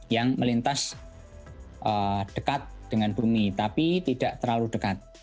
yang melintas dekat dengan bumi tapi tidak terlalu dekat